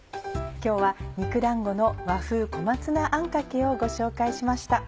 今日は「肉だんごの和風小松菜あんかけ」をご紹介しました。